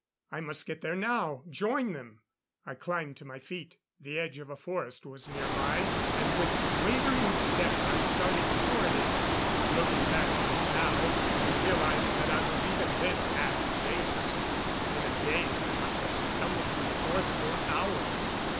I must get there now join them. I climbed to my feet; the edge of a forest was nearby and with wavering steps I started toward it. Looking back on it now I realize that I was even then half crazed. In a daze I must have stumbled through the forest for hours.